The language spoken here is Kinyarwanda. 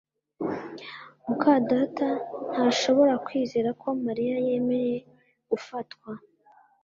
muka data ntashobora kwizera ko Mariya yemeye gufatwa